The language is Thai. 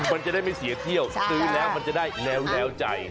มันจะได้ไม่เสียเที่ยวซื้อแล้วมันจะได้แล้วใจ